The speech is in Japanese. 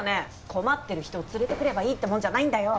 困ってる人を連れてくればいいってもんじゃないんだよ！